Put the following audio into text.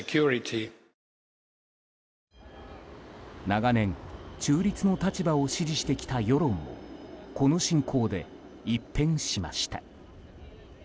長年、中立の立場を支持してきた世論もこの侵攻で一変しました。